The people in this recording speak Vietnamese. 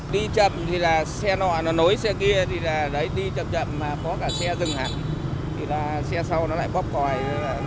đi chậm thì là xe nọ nó nối xe kia đi chậm chậm mà có cả xe dừng hẳn thì là xe sau nó lại bóp còi